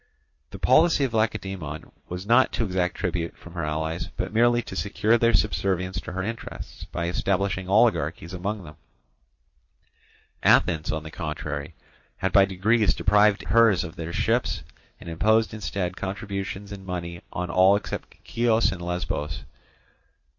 The policy of Lacedaemon was not to exact tribute from her allies, but merely to secure their subservience to her interests by establishing oligarchies among them; Athens, on the contrary, had by degrees deprived hers of their ships, and imposed instead contributions in money on all except Chios and Lesbos.